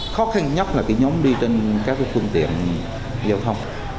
khó khăn nhất là nhóm đi trên các phương tiện giao thông